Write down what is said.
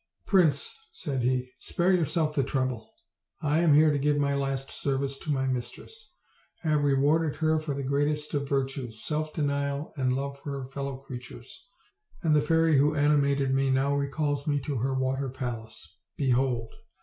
"Prince," said he, "spare yourself the trouble. I am here to give my last service to my mistress. I have re warded her for the greatest of virtues, self denial and love for her fellow creatures, and the fairy who animated me now recalls me to her water palace: behold!"